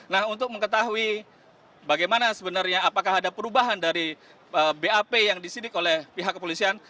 nah untuk mengetahui bagaimana sebenarnya apakah ada perubahan dari bap yang disidik oleh pihak kepolisian